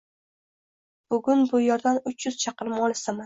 Bugun bu yerdan uch yuz chaqirim olisdaman